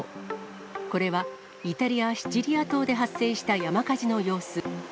これはイタリア・シチリア島で発生した山火事の様子。